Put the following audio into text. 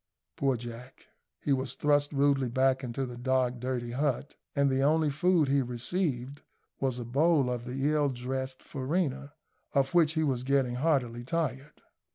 Poor Jack! He was thrust rudely back into his dark, dirty hut, and the only food he received was a bowl of the ill dressed farina, of which he was getting heartily tired.